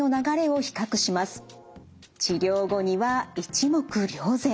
治療後には一目瞭然。